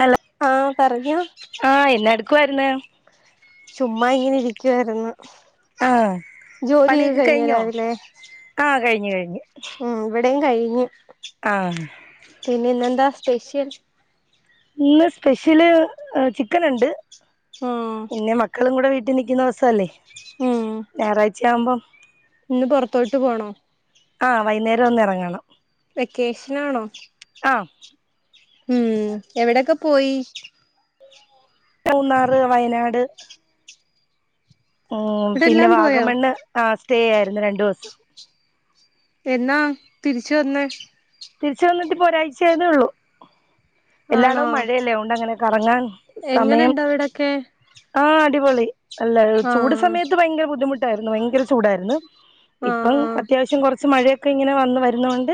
Hello ആഹ് പറഞ്ഞോ ആഹ് എല്ലാർക്കു അയന്നെ ചുമ്മാ ഇങ്ങനെ ഇരിക്കുവാരുന്നു ആഹ് ജോലിയൊക്കെ കഴിഞ്ഞോ രാവിലെ ആഹ് കഴിഞ്ഞു കഴിഞ്ഞു ഉം ഇവടെയും കയ്ഞ്ഞു ആഹ് പിന്നെ ന്നെന്താ സ്പെഷ്യൽ ഇന്ന് സ്പെഷ്യല് ചിക്കന്ണ്ട് ഉം പിന്നെ മ ക്കളുംകൂടെ വീട്ടിൽ നിക്കുന്ന ദിവസല്ലേ ഉം ഞായറാഴ്ചയാവുമ്പം ഇന്ന് പൊറത്തോട്ട് പോണോ ആഹ് വൈന്നേരം ഒന്നിറങ്ങണം വെക്കേഷനാണോ ആഹ് ഉം എവിടെക്കെ പോയി മൂന്നാറ് വയനാട് ഉം പിന്നെ ഇവിടെല്ലാം പോയോ വാഗമണ്ണ് ആ സ്റ്റേ ആയിരുന്നു രണ്ടു ദിവസം എന്നാ തിരിച്ച് വന്നേ തിരിച്ച് വന്നിട്ട് പോ ഒരാഴ്ചായതേ ഒള്ളൂ ആണോ എല്ലാടും മഴല്ലേ അഹോണ്ട് അങ്ങനെ കറങ്ങാൻ സമയം എങ്ങനെണ്ട് അവിടൊക്കെ ആഹ് അടിപൊളി അല്ല ചൂട് ആഹ് സമയത്ത് വയങ്കര ബുദ്ധിമുട്ടായിരുന്നു വയങ്കര ചൂടായിരുന്നു ആഹ് ഇപ്പം ആഹ് അത്യാവശ്യം കൊർച്ച് മഴയൊക്കെ ങ്ങനെ വന്ന് വരുന്നോണ്ട്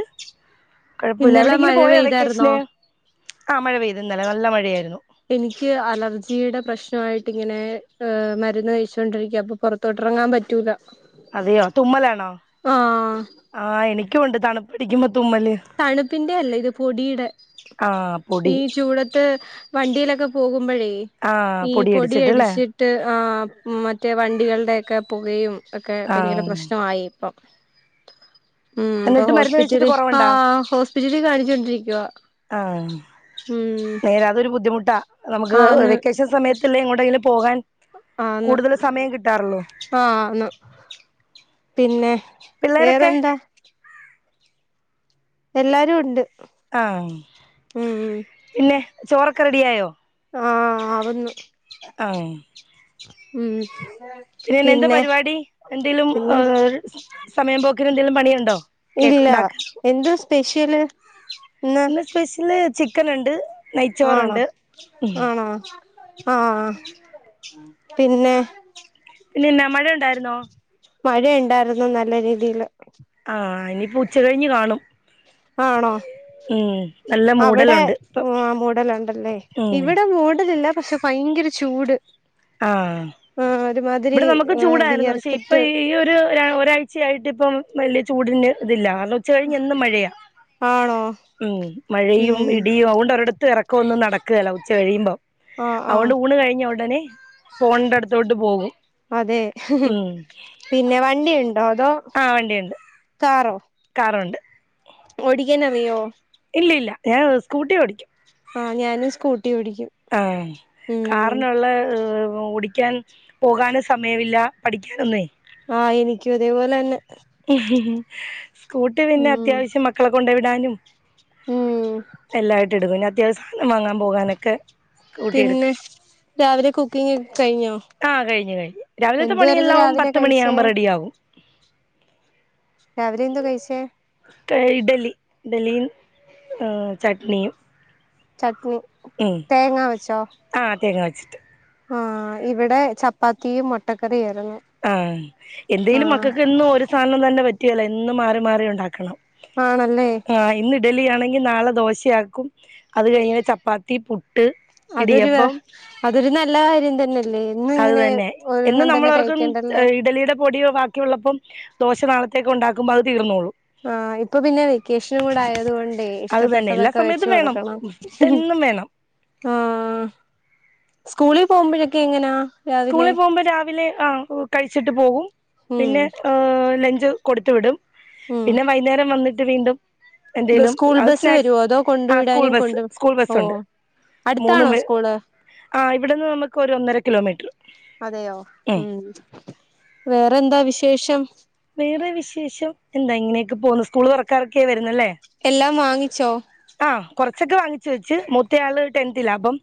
കുഴപ്പല്ല ഇന്നലെ എവിടെങ്കിലും മഴ പോയോ പെയ്തായിരുന്നോ വെക്കേഷന് ആ മഴ പെയ്ത് ന്നലെ നല്ല മഴയായിരുന്നു ഇനിക്ക് അലർജിയുടെ പ്രശ്നായിട്ട് ങ്ങനെ മരുന്ന് കഴിച്ചോണ്ടിരിക്ക അപ്പൊ പൊറ ത്തോട്ടറങ്ങാൻ പറ്റൂല അതെയോ തുമ്മലാണോ ആഹ് ആഹ് എനിക്കുണ്ട് തണുത്തിരിക്കുമ്പോ തുമ്മല് തണുപ്പിന്റെ അല്ലേ ഇത് പൊടിയുടെ ആഹ് പൊടി ഈ ചൂട് ത്ത് വണ്ടിയിലൊക്കെ പോകുമ്പഴേ ആഹ് ഈ പൊടിയടിച്ചിട്ടല്ലേ പൊടിയടിച്ചി ട്ട് ആ മറ്റേ വണ്ടികളുടെയെക്കെ പുകയും ഒക്കെ ഭയങ്കര ആഹ് പ്രശ്നായി ഇപ്പം ഉം ഇപ്പൊ എന്നിട്ട് മരുന്ന് കയ്ച്ചിട്ട് ഹോസ്പിറ്റല് കുറവ് ആ ണ്ട ഹോസ്പിറ്റലിൽ കാണിച്ചോണ്ടിരിക്കുവ ആ ഉം നേരാതൊരു ബുദ്ധിമുട്ടാ നമുക്ക് ആന്ന് വെക്കേഷൻ സമയത്തല്ലേ എങ്ങോട്ടെങ്കിലും പോകാൻ ആന്ന് കൂടുതൽ സമയം കിട്ടാറൊള്ളൂ ആന്ന് പിന്നെ വേറെന്താ എല്ലാരും ണ്ട് ആഹ് പിന്നെ ചോറൊക്കെ റെഡി ആയോ ആഹ് ആവുന്ന് ആഹ് പിന്നെ എന്താ പരിപാടി എന്തെലും പിന്നെ ഉം സമയം പോ ക്ക്ന് എന്തേലും പണിയുണ്ടോ കേക്ക് ഇല്ല ഉണ്ടാക്കലോ എന്തോ സ്പെഷ്യല് ഇന്ന് സ്പെഷ്യല് ചിക്കൻ ഉണ്ട് ആണോ നെയ്ച്ചോറുണ്ട് ഉം ആണോ ആഹ് പിന്നെ പിന്നെ ന്നാ മഴണ്ടായിരുന്നോ മഴയുണ്ടായിരുന്നു നല്ല രീതിയില് ആഹ് ഇനിപ്പോ ഉച്ച കഴിഞ്ഞ് കാണും ആണോ ഉം നല്ല അവിടെ മൂടലുണ്ട് ഇപ്പം മൂടലുണ്ടല്ലേ ഉം ഇവിടെ മൂടലില്ല പക്ഷെ ഭയങ്കര ചൂട് ആഹ് ആഹ് ഒരുമാതിരി ഇവ്ടെ നമുക്ക് ഏഹ് ചൂടായിരുന്നു പക്ഷെ ഇപ്പൊ വിയർത്തിട്ട് ഈ ഒരു ഒ ഒരാഴ് ച്ചയായിട്ട് ഇപ്പം വലിയ ചൂടിന് ഇതില്ല കാരണം ഉച്ച കഴിഞ്ഞ് എന്നും മഴയാ ആണോ ഉം മഴയും ഉം ഇടിയും അതുകൊണ്ട് ഒരിട ത്ത് ഇറക്കൊന്നും നടക്കേല്ല ഉച്ച കഴിയുമ്പോ ആഹ് അതുകൊണ്ട് ആഹ് ഊണ് കഴിഞ്ഞ ഉടനെ ഫോൺന്റെ അടുത്തോട്ട് പോകും അതെ ഉം പിന്നെ വണ്ടിയുണ്ടോ അതോ ആഹ് വണ്ടിയുണ്ട് കാറോ കാറുണ്ട് ഓടിക്കാനറിയോ ഇല്ലില്ല ഞാൻ സ്കൂട്ടി ഓടിക്കും ആഹ് ഞാനും സ്കൂട്ടി ഓടിക്കും ആ ഉം കാറിനുള്ള ഓടി ക്കാൻ പോകാനും സമയമില്ല പഠിക്കാനൊന്നേ ആഹ് എനിക്കും അതേപോലെന്നെ സ്കൂട്ടി പിന്നെ ഉം അത്യാവശ്യം മക്കളെകൊണ്ടേ വിടാനും ഉം ല്ലായിട്ട് എടുക്കും ഇനി അത്യാവശ്യം സാനം വാങ്ങൻ പോകാനൊക്കെ സ്കൂട്ടി എടുക്കും പിന്നെ രാവിലെ കുക്കിങ് ഒക്കെ കഴിഞ്ഞോ ആ കഴിഞ്ഞു കഴിഞ്ഞു രാവിലത്തെ എന്തുവാരുന്നു പണിയെല്ലാം രാവിലെ പത്ത് കഴിച്ചേ മണിയാവുമ്പം റെഡിയാവും രാവിലെ എന്താ കഴിച്ചേ ഇഡ്ഡലി ഇഡ്ഡലിം ചട്നിയും ചട്നി തേങ്ങാ വെച്ചോ ആഹ് തേങ്ങവെച്ചിട്ട് ആഹ് ഇവിടെ ചപ്പാത്തിയും മുട്ടക്കറി ആയിരുന്നു ആഹ് എന്തേലും മക്കകെന്നും ഒരു സാധനം തന്നെ പറ്റിയേല്ല എന്നും മാറി മാറി ഉണ്ടാക്കണം ആണല്ലേ ആഹ് ഇന്ന് ഇഡലി ആണെങ്കി നാളെ ദോശയാക്കും അത് കഴിഞ്ഞ് ചപ്പാത്തി പുട്ട് അതൊരു വ ഇടിയപ്പം അതൊരു നല്ല കാര്യം തന്നെ എന്നും അത് ഇങ്ങനെ തന്നെ എന്നും ഒരെണ്ണം നമ്മളോർക്കും കഴിക്കേണ്ടല്ലേ ഇഡലിയുടെ പൊടിയോ ബാക്കിയൊള്ളപ്പം ദോശ നാളത്തേക്ക് ഉണ്ടാക്കുമ്പോ അത് തീർന്നോളും ആഹ് ഇപ്പൊ പിന്നെ വെക്കേഷനും കൂടെ ആയത് കൊണ്ടേ അത് തന്നെ എല്ലാ ഇഷ്ടപ്പെട്ടതൊക്കെ വെച്ച് സമയത്തും വേണം കൊടുക്കണം എന്നും വേണം ആഹ് സ്കൂളിൽ പോവുമ്പഴൊക്കെ എങ്ങനാ രാവിലെ സ്കൂളിൽ പോകുമ്പോ രാവിലെ ആ കഴിച്ചിട്ട് പോകും ഉം പിന്നെ ഏ ലഞ്ച് കൊടുത്തു വിടും ഉം പിന്നെ വൈന്നേരം വന്നിട്ട് വീണ്ടും എന്തേലും സ്കൂൾ അത് ബസ്സ് സ്നാക്സ് വരുവോ അതോ കൊണ്ടു ആ സ്കൂൾ വിടാനും ബസ്സ് കൊണ്ട് സ്കൂൾ ഓ ബസ്സുണ്ട് മൂന്ന് അടുത്താണോ പേ സ്കൂള് ആ ഇവിടുന്ന് നമുക്ക് ഒരു ഒന്നര കിലോമീറ്റർ അതെയോ ഉം വേറെന്താ വിശേഷം വേറെ വിശേഷം എന്താ ഇങ്ങനെയൊക്കെ പോന്നു സ്കൂള് തൊറക്കാനെക്കേയ് വെരുന്നല്ലേ എല്ലാം വാങ്ങിച്ചോ ആഹ് കൊറച്ചൊക്കെ വാങ്ങിച്ച് വെച്ച് മൂത്തയാള് ടെൻതിലാ അപ്പം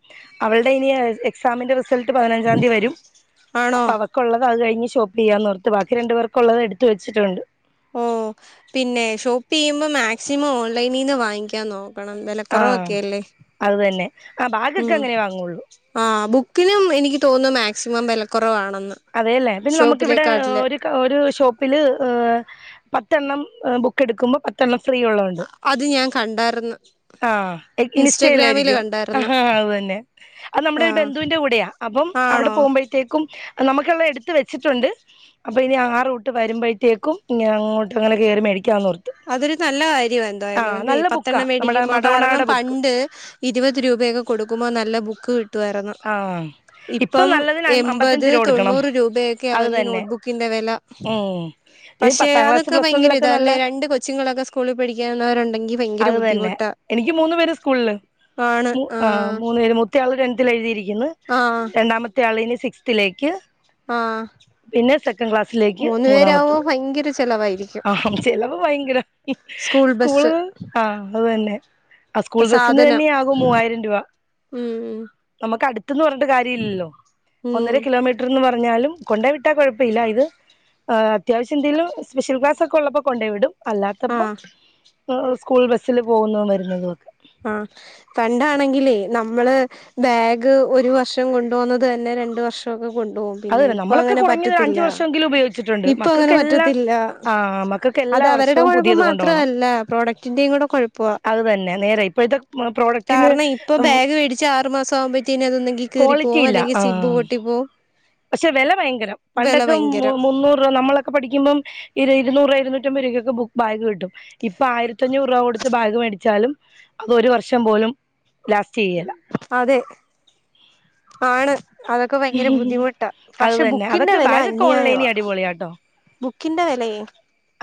അവൾടെ ഇനി എക് സാമിന്റെ റിസൾട്ട് പതിനഞ്ചാന്തി വരും ആണോ അപ്പ അവ ക്കൊള്ളത് അത് കഴിഞ് ഷോപ്പ് ചെയ്യാന്നോർത്തു ബാക്കി രണ്ട് പേർക്കൊള്ളത് എടുത്ത് വെച്ചിട്ടുണ്ട്. ഓ പിന്നെ ഷോപ്പ് ചെയ്യുമ്പോ മാക്സിമം ഓൺലൈനിന്ന് വാങ്ങിക്കാൻ നോ പണം ആ വെലക്കൊറവൊക്കെയല്ലേ അത് തന്നെ ആ ഉം ബാഗൊക്കെ അങ്ങനെ വാങ്ങുള്ളൂ ആഹ് ബുക്കിനും എനിക്ക് തോന്ന്ന്നു മാക്സിമം വെലക്കൊറവാണെന്ന് അതെയല്ലേ പിന്നെ നമുക്ക് ഇവിടെ ഒര് ഒരു ഷോപ്പില് ഇഹ് പത്തെണ്ണം ഇഹ് ബു ക്കെടുക്കുമ്പം പത്തെണ്ണം ഫ്രീ ഉള്ളഹ് ഇണ്ട് അത് ഞാൻ കണ്ടായിരുന്നു ആഹ് അഹ് ഇൻസ്റ്റഗ്രാമില് ഇനിസ്റ്റേല്ലായിരിക്കും കണ്ടായിരുന്നു അഹ് ആഹ് അത് തന്നെ അത് നമ്മുടെ ഒരു ആഹ് ബന്ധുവിൻന്റെ കൂടെയാ അപ്പം അവിടെ ആണോ പോകുമ്പോഴത്തേക്കും നമ്ക്ക്ള്ളഹ് എടുത്ത് വെച്ചിട്ടുണ്ട് അപ്പ ഇനി ആ റൂട്ട് വരുമ്പോഴത്തേക്കും ഇങ്ങനെ അങ്ങോട്ട്ങ്ങനെ കേറി മേടിക്കാന്ന് പർഞ്ഞു അതൊരു നല്ല കാര്യവാ എന്തായാലും അല്ലെ ബുക്കാ പത്തെണ്ണം നമ്മുടെ മേടിക്കുമ്പോ കാരണം മഡോണാടെ ബുക്ക് പണ്ട് ഇരുവത് രൂപയൊക്കെ കൊടുക്കുമ്പൊ നല്ല ബുക്ക് കി ട്ടുവാരെന്നു ആ ഇപ്പൊ ഇപ്പം നല്ലതിന് അം എൺപത് അമ്പത്തഞ്ച് രൂപ കൊടുക്കണം തൊണ്ണൂറ് രൂപയൊക്കെയാ അത് വല്യ തന്നെ നോട്ട്ബുക്കിന്റെ വെല ഉം ഇനി പക്ഷെ പത്താം ക്ലാസ് അതൊക്കെ പ്ലസ് ഭയങ്കര വണ്ണിലൊക്കെ ഇതാ നല്ല അല്ലേ രണ്ട് കൊച്ചുങ്ങളൊക്കെ സ്കൂളിൽ പഠിക്കുന്നവരൊണ്ടെങ്കി ഭയങ്കര അത് തന്നെ ബുദ്ധിമുട്ടാ എനിക്ക് മൂന്ന് പേര് സ്കൂൾള് മൂ ആഹ് മൂന്ന് പേര് മു ത്തയാള് ടെൻത്തിൽ എഴ്തിയിരിക്കുന്നു ആഹ് രണ്ടാമത്തെ ആള് ഇനി സിക്സ്ത്തിലേയ്ക്ക് ആഹ് പിന്നെ സെക്കന്റ് ക്ലാസ്സിലേക്ക് മൂന്നു പേരാവുമ്പോ മൂന്നാമത്തത് ഭയങ്കര ചെലവായിരിക്കും ആഹ് ചിലവ് ഭയങ്കര സ്കൂൾ ബസ്സ് സ്കൂള് ആഹ് അത് തന്നെ ആഹ് സ്കൂൾ ബസ്സിന് തന്നെയാകും മൂവായിരം രൂപ ഉം ഉം നമുക്ക് അട്ത്ത്ന്ന് പർഞ്ഞിട്ട് കാര്യ ഇല്ലല്ലോ ഒന്നര ഉം കിലോമീ റ്റർന്ന് പറഞ്ഞാലും കൊണ്ടേയ് വിട്ടാ കൊഴപ്പഇല്ല ഇത് എഹ് അത്യാവശ്യ എന്തേയ്ലും സ്പെഷ്യൽ ക്ലാസ് ഒക്കെ ഒള്ളപ്പോ കൊണ്ടെയ് വിടും അല്ലാത്തപ്പം ആഹ് എ എഹ് സ്കൂൾ ബസ്സ്‌ല് പോകുന്നതും വെര്ന്നതു ഒക്കെ ആഹ് പണ്ടാണെങ്കിലേ നമ്മള് ബാഗ് ഒരു വർഷം കൊണ്ടു പോക്ന്നത് തന്നെ രണ്ട് വർഷംഒക്കെ കൊണ്ടുപോകും അത് പിന്നെ തന്നെ ഇപ്പ നമ്മളൊക്കെ അങ്ങനെ കുറഞ്ഞത് ഒരു അഞ്ച് പറ്റത്തില്ല വർഷമെങ്കിലും ഉപയോഗിച്ചിട്ടുണ്ട് ഇപ്പൊ അങ്ങനെ മക്കൾക്കെല്ലാം പറ്റത്തില്ല ആഹ് മക്കൾക്ക് അത് എല്ലാ അവരുടെ വർഷവും കൊഴപ്പം പുതിയത് മാത്ര കൊണ്ടോണം അല്ല പ്രോഡക്ടിന്റെയും കൂടെ കൊഴപ്പവാ അത് തന്നെ നേരെ ഇപ്പോഴത്തെ പ്രോഡക്റ്റിന് കാരണം ഇപ്പൊ ബാഗ് മേടിച്ച് ആറ് മാസം ആവുമ്പഴത്തേന് അതൊന്നെങ്കി ക്വാളിറ്റി കീറിപ്പോകും ഇല്ല അല്ലെങ്കിൽ സിബ്ബ് ആഹ് പൊട്ടിപോവും പക്ഷെ വെല ഭയങ്കരം പണ്ടൊക്കെ മു ഭയങ്കരം മുന്നൂറ് രൂപ നമ്മളൊ ക്കെ പഠിക്ക്മ്പം ഇര് ഇരുന്നൂറ് ഇരുന്നൂറ്റഅമ്പത് രൂപക്ക് ഒക്കെ ബു ബാഗ് കിട്ടും ഇപ്പൊ ആയിരത്തഞ്ഞൂറ് രൂപ കൊടുത്ത് ബാഗ് മേടിച്ചാലും അത് ഒരു വർഷം പോലും ലാസ്റ്റ് ചെയ്യല അതെ ആണ് അതൊക്കെ ഭയങ്കര ബുദ്ധിമുട്ടാ അത് പക്ഷെ തന്നെ ബുക്കിന്റെ അതൊക്കെ വെല ബാഗൊക്കെ ഓൺലൈനി അന്യായവാ അടിപൊളിയാട്ടോ ബുക്കിന്റെ വെലെയേ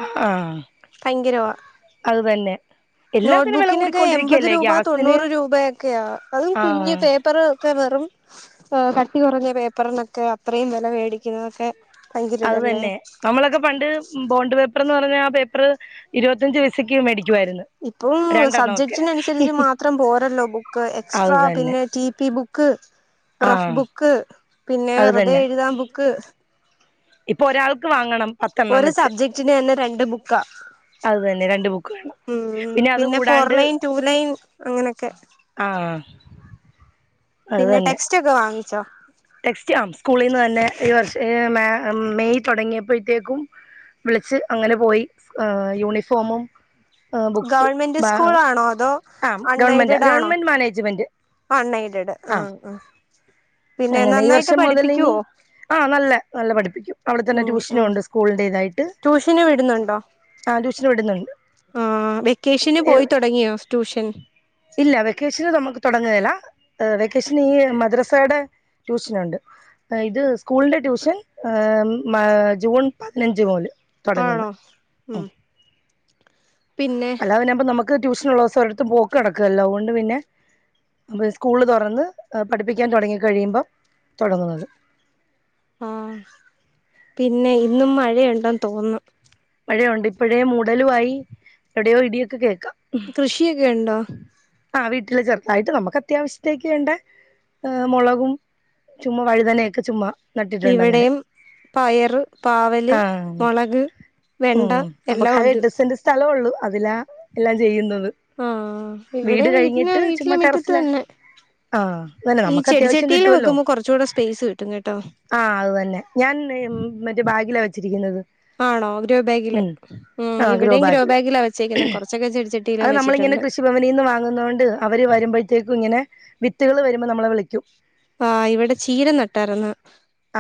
ആഹ് ഭയങ്കാരവാ അത് തന്നെ എല്ലാത്തിനും വില നോട്ട്ബുക്കിനൊക്കെ എൺപത് കൂടിക്കൊണ്ടിരിക്കയല്ലേ രൂപ ഗ്യാസിന് തൊണ്ണൂറ് രൂപയൊക്കെയാ അതും കുഞ്ഞ് ആഹ് പേ പേപ്പറ് ഒക്കെ വെറും കട്ടി കുറഞ്ഞ പേപ്പറിനൊക്കെ അത്രയും വില മേടിക്കുന്നതൊക്കെ ഭയങ്കര അത് ഇതല്ലേ തന്നെ നമ്മളൊക്കെ പണ്ട് ബോണ്ട് പേപ്പർ എന്ന് പറഞ്ഞാൽ ആഹ് പേപ്പറ് ഇരുപത്തഞ്ച് പയ്സക്ക് മേടിക്കുവായിരുന്നു ഇപ്പം രണ്ടെണ്ണമൊക്കെ സബ്ജക്റ്റിനനുസരിച്ച് മാത്രം പോരല്ലോ ബുക്ക് അത് എക്സ്ട്രാ തന്നെ പിന്നെ T P book book rough ആഹ് ബുക്ക് പിന്നെ അത് വെറുതെ തന്നെ എഴുതാൻ ബുക്ക് ഇപ്പൊ ഒരാൾക്ക് വാങ്ങണം പത്തെണ്ണം ഒരു വെച്ച് സബ്ജക്ടിന് തന്നെ രണ്ട് ബുക്കാ അത് തന്നെ രണ്ട് ബുക്ക് വേണം ഉം അത് പിന്നെ ഫോർ കൂടാണ്ട് ലൈൻ ടു ലൈൻ അങ്ങനെയൊക്കെ ആഹ് പിന്നെ ടെക്സ്റ്റ് ഒക്കെ വാങ്ങിച്ചോ? െക്സ്റ്റ് ആ സ്കൂളിൽ നിന്ന് തന്നെ ഈ വർഷം മെയ് തുടങ്ങിയപ്പോഴത്തേക്കും. വിളിച്ച് അങ്ങനെ പോയി യൂണിഫോമും ആഹ് ബുക്സ ഗവൺമെന്റ് സ്കൂൾ ആണോ അതോ ആ ഗവൺമെന്റ് ഗവൺമെന്റ് മാനേജ്മെന്റ് അന്നൈഡഡ് ആഹ് അങ്ങനെ ഈ നന്നായിട്ട് വർഷം മുതൽ ഇനി പഠിപ്പിക്കുവോ ആ നല്ല നല്ല പഠിപ്പിക്കും അവിടെ തന്നെ ഉം ട്യൂഷനും ഉം ഉണ്ട് സ്കൂളിന്റേതായിട്ട് ട്യൂഷന് വിടുന്നുണ്ടോ ആ ട്യൂഷന് വിടുന്നുണ്ട് ആഹ് വെക്കേഷന് പോയി തുടങ്ങിയോ ട്യൂഷൻ ഇല്ല വെക്കേഷന് നമുക്ക് തുടങ്ങേല വെക്കേഷൻ ഈ മദ്രസയുടെ ട്യൂഷനുണ്ട് ഇത് സ്കൂളിന്റെ ട്യൂഷൻ ജൂൺ പതിനഞ്ച് മൂല് തുടങ്ങുന്ന് ആണോ ഉം പിന്നെ അപ്പ നമക്ക് ട്യൂഷൻ ഉളസം ഒരിടത് പോക്ക് നടക്കുവല്ല അതൊണ്ട് പിന്നെ. അ സ്കൂള്‌ തുറന്ന് പഠിപ്പിക്കാൻ തുടങ്ങി കഴിയുമ്പം തുടങ്ങുന്നത് ആഹ് പിന്നെ ഇന്നും മഴയുണ്ടെന്ന് തോന്നുന്നു മഴയുണ്ട് ഇപ്പോഴേ മൂടലുവായി എവിടെയോ ഇടിയൊക്കെ കേൾക്കാം കൃഷിയൊക്കെ ഉണ്ടോ ആഹ് വീട്ടില് ചെറുതായിട്ട് നമുക്ക് അത്യാവശ്യത്തേക്ക് വേണ്ട മുളകും ചുമ്മാ വഴുതനെയൊക്കെ ചുമ്മാ നട്ടിട്ടുണ്ട് അങ്ങനെ ഇവിടെയും പയറ് പാവല് ആഹ് മുളക് വെണ്ട ഉം നമുക്ക് എല്ലാം ആകെ ഉണ്ട് എട്ട് സെൻറ് സ്ഥലംള്ളു അതിലാ എല്ലാം ചെയ്യുന്നത് ആഹ് ഇവിടെ വീട് വീട്ടിന് കഴിഞ്ഞിട്ട് ചുമ്മാ വീട്ടിലെ മുറ്റത്ത് ടറസില് തന്നെ ആഹ് അങ്ങന്നെ ഈ നമ്മുക്ക് അത്യാവശ്യം ചെടിച്ചട്ടിയിൽ കിട്ടുവല്ലോ വെക്കുമ്പോ കുറച്ചുകൂടെ സ്പേസ് കിട്ടും കേട്ടോ ആഹ് അത് തന്നെ ഞാൻഇന്ന് മറ്റേ ബാഗില വെച്ചിരിക്കുന്നത് ആണോ ഗ്രോ ബാഗില് ഉം ഉം ആഹ് ഇവിടെയും ഗ്രോ ബാഗില് ബാഗിലാ വെച്ചേക്കുന്നത് കൊറച്ചൊക്കെ ചെടി അത് നമ്മളിങ്ങനെ കൃഷിഭവനിൽ നിന്ന് വാങ്ങുന്ന കൊണ്ട് അവര് വരുമ്പോഴത്തേക്കും ഇങ്ങനെ വിത്തുകൾ വരുമ്പോൾ നമ്മളെ വിളിക്കും. ആഹ് ഇവിടെ ചീര നട്ടറന്ന്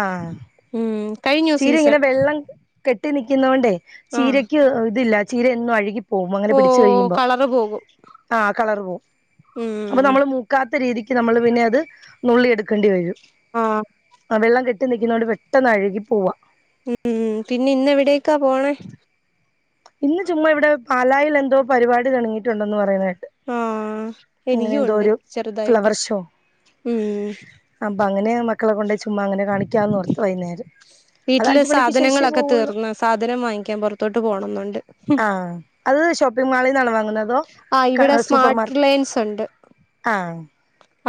ആണോ ചീര ഇങ്ങനെ സീസൺ വെള്ളം കെട്ടി നിൽക്കുന്ന കൊണ്ടേ ആഹ് ചീരയ്ക്ക് ഇതില്ല ചീര എന്നും അഴുകി പോമ്പ അങ്ങനെ ഓ പിടിച്ച് കഴിയുമ്പോൾ കളറ് പോകും ആ കളർ പോകും അപ്പോൾ ഉം നമ്മൾ ക്കാത്ത രീതിക്ക് നമ്മൾ പിന്നെ അത് നുള്ളി എടുക്കേണ്ടി വരും ആഹ് ആഹ് വെള്ളം കെട്ടി നിൽക്കുന്ന കൊണ്ട് പെട്ടെന്ന് അഴുകി പോവാ ഉം പിന്നെ ഇന്നവിടേക്കാ പോണേ ഇന്ന് ചുമ്മ ഇവിടെ പാലായിൽ എന്തോ പരിപാടി തുടങ്ങിട്ടുണ്ടന്ന് പറയുന്ന കേട്ട് ആ അങ്ങനെ എനിക്കും എന്തോ ഉണ്ട് ഒരു ചെറുതായിട്ട് ഫ്ലവർ ഷോ ഉം അപ്പൊ അങ്ങനെ മക്കളെ കൊണ്ട് ചുമ്മാ അങ്ങനെ കാണിക്കാന്ന്‌ ഓർത്തു വൈകുനേരം. വീട്ടില് സാധനങ്ങളൊക്കെ തീർന്ന് സാധനം വാങ്ങിക്കാൻ പോറത്തോട്ട് പോണംന്നുണ്ട്. ആ അത് ഷോപ്പിംഗ് മാളിൽ നിന്നാണ് വാങ്ങുന്നത്. ആ് ഇവിടെ സ്മാർട്ട് ലൈൻസ് ഉണ്ട്. ആഹ്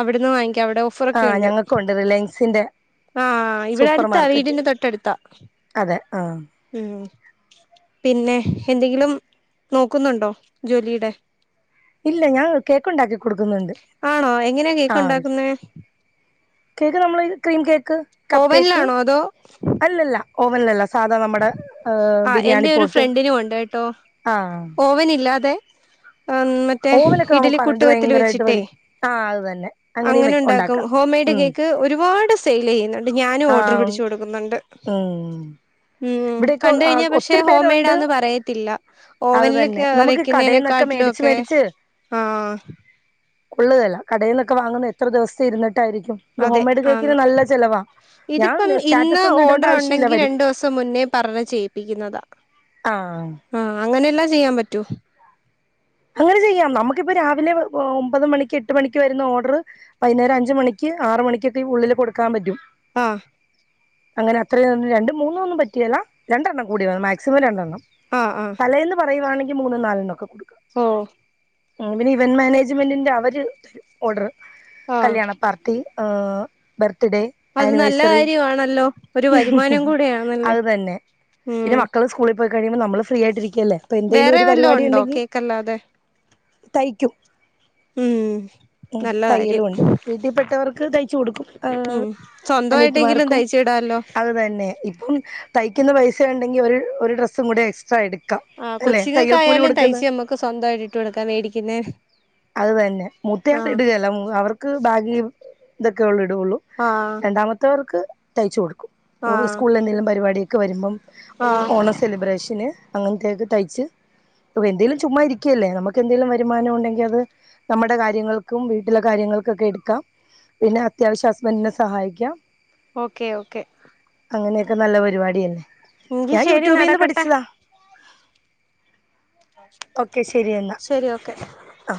അവിടുന്ന് വാങ്ങിക്ക അവിടെ ഓ ആഹ ഞങ്ങക്കുണ്ട് റിലയൻസിന്റെ ആഹ ഇവിടെ സൂപ്പർ എടുത്താ മാർക്കറ്റ് വീടിന്റെ തൊട്ട അടുത്താ. അതെ ആഹ് ഉം പിന്നെ എന്തെങ്കിലും നോക്കുന്നുണ്ടോ ജോലിയുടെ. ഇല്ല ഞാൻ കേക്ക്ണ്ടാക്കി കൊടുക്കുന്നുണ്ട്. ആണോ എങ്ങനാ കേൾക്ക് ആഹ് ഉണ്ടാക്കുന്നെ? കേക്ക് നമ്മൾ ക്രീം കേക്ക്. കപ്പ് കേക്ക് ഓവനിലാണോ അതോ അല്ലല്ല ഓവനിലല്ല സാധാ നമ്മുടെ ആ ബിരിയാണി എന്റെ ഒരു പോട്ട് ഫ്രണ്ടിനുമ ഉണ്ട് കേട്ടോ ആഹ് ഓവൻ ഇല്ലാതെ മ മ ഓവനൊക്കെ നമുക്ക് ഇഡലി കറണ്ട് കൂട്ടുകത്തിൽ ഭയങ്കരമായിട്ട് വെച്ചിട്ടേ വലിക്കും ആഹ് അത് തന്നെ അങ്ങനെയും വെ അങ്ങനെ ഉണ്ടാക്കും ഉണ്ടാക്കാം ഹോ മെയഡ് ഉം കേക്ക്. ഒരുപാട് സെൽ ചെയ്യുന്നുണ്ട്. ഞാനും ഓർഡർ ആഹ് പിടിച്ചു കൊടുക്കുന്നുണ്ട്. ഉം മം ഇവിടെയൊക്കെ കണ്ട കഴിഞ്ഞാ പക്ഷെ ഒത്തിരി ഹോം പേരുണ്ട് മെയഡാന്ന് പറയത്തില്ല അത് ഓവനൽ തന്നെ നമുക്ക് കടയിൽന്നൊക്കെ വെക്കുന്നതിനെക്കാട്ടിലും മേടിച്ച് ഒക്കെ മേടിച്ച് ആഹ് ഉള്ളതല്ല കടയിൽന്നൊക്കെ വാങ്ങുന്ന എത്ര ദിവസം ഇരിട്ടായിരിക്കും. ഇത് അതെ ഹോംമെയ്ഡ് ആന്ന് കേൾക്കിന് നല്ല ചെിലവാ. ഇതിപ്പം ഇന്ന് ഓർഡർ ഉണ്ടെങ്കി വരും രണ്ടു ദിവസം മുന്നേ പറഞ്ഞ് ചെയ്യിപ്പിക്കുന്നതാ. ആഹ് ആഹ അങ്ങനെ എല്ലാം ചെയ്യാൻ പറ്റൂ. അങ്ങനെ ചെയ്യാം നമുക്കിപ്പ രാവിലെ ഒമ്പത് മണിക്ക് എട്ട് മണിക്ക് വരുന്ന ഓർഡർ. വൈകേരം അഞ്ച മണിക്ക് ആറ മണിിക്കൊക്കെ ഉള്ളില് കൊടുക്കാൻ പറ്റും ആഹ് അങ്ങനെ അത്രയും രണ്ട് മൂന്ന് ഒന്നും പറ്റിയല്ല രണ്ടെണ്ണം കൂടി വ മാക്സിമം രണ്ടെണ്ണം. ആഹ് ആഹ് തലയന്ന് പറയുവാണെങ്കിൽ മൂന്നും നാലിനൊക്കെ കൊടുക്കുക. ഓ ഉ പിന്നെ ഇവന്റ് മാനേജ്മെന്റിന്റെ അവര് ഓർഡർ ആഹ് കല്യാണ പാർക്ക് ആ ബർത്ത്ഡേ അത് നല്ല ആനിവേഴ്സറി കാര്യമാണല്ലോ ഒരു വരുമാനം കൂടെയാണല്ലേ അത് തന്നെ ഉം പിന്നെ മക്കൾ സ് സ്കുളിൽ പോയിഴിയുമ്പോൾമ്മൾ ഫീ ആയിട്ടരിക്കുകല്ലേപ്പോൾ എന്തങ്കിലും പരിപാടി ഉണ്ടങ്കിൽ. ക്കല്ലാതെ തയ്ക്കും ഉം ഉ നല്ല കാര്യം തയ്യലുംണ്ട് വീട്ടിൽ പെട്ടവർക്ക് തയ്ച്ചു കൊടുക്കും. ഉം സ്വന്തമായിട്ടെങ്കിലും അനിയതിമാർക്കും തയ്ച്ചിടാല്ലോ അത് തന്നെ ഇപ്പം തയ്ക്കുന്ന പൈസയ ഉണ്ടെങ്കിൽ ഒരു ഒരു ഡ്രസ്സും കൂടെ എക്സ്ട്രാ എടുക്കും. ആ കൊച്ചിങ്ങക്കായയാലും തയ്ച്ച നമ്മക്ക് സ്വന്തമായിട്ട് ഇട്ട് കൊടുക്കാൻ മേടിക്കുന്നൊ. അത് തന്നെ മുത്തയാ ഇടുകയല്ല. അവർക്ക് ഭാഗി ഇതൊക്കെ ഉള്ള ഇടുള്ളൂ. ആഹ്. രണ്ടാമത്തവർക്ക് തയ്ച്ചു കൊടുക്കും. ആഹ് സ്കൂളിൽ എന്തെങ്കിലും പരിപാടിയൊക്കെ വരുമ്പോം. ആഹ് ഓണ സെലിബ്രേഷന് അങ്ങനത്തൊക്കെ തയ്ച്ച് എന്തെിലും. ചുമ് ഇരിക്കല്ലേ നമുക്ക് എന്തെലും വരുമാനം ഉണ്ടെങ്കിൽ അത്. നമ്മുടെ കാര്യങ്ങൾക്കും വീട്ടിലെ കാര്യങ്ങൾക്കൊക്കെ എടുക്കാം പിന്നെ അത്യാവശ്യാം ഹസ്ബൻ്റിനെ സഹായിക്കാം ഓക്കെ ഓക്കെ അങ്ങനെയൊക്കെ നല്ല പരിപാടിയല്ലേ എങ്കി ഞാൻ ശരി യൂട്യൂബീന്ന് നടക്കട്ടെ പഠിച്ചതാ ഇപ്രാശം ഓക്കെ ശരി എന്നാ ശരി ഓക്കെ ആ